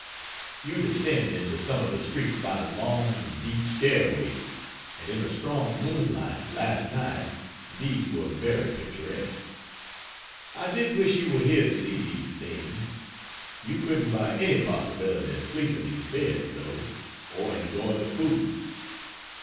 You descend into some of the streets by long, deep stairways; and in the strong moonlight, last night, these were very picturesque. I did wish you were here to see these things. You couldn't by any possibility sleep in these beds, though, or enjoy the food.